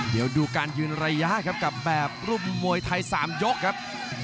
เดี๋ยวดูการยืนระยะครับกับแบบรุ่นมวยไทย๓ยกครับ